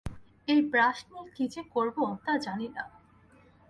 ঐ ব্রাশ নিয়ে কি যে করব, তা জনি না।